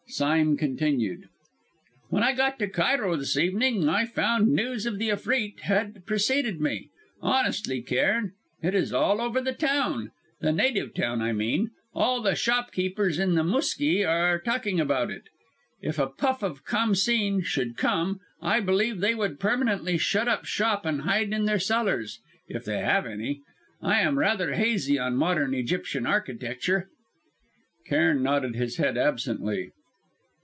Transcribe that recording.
Sime continued: "When I got to Cairo this evening I found news of the Efreet had preceded me. Honestly, Cairn, it is all over the town the native town, I mean. All the shopkeepers in the Mûski are talking about it. If a puff of Khamsîn should come, I believe they would permanently shut up shop and hide in their cellars if they have any! I am rather hazy on modern Egyptian architecture." Cairn nodded his head absently.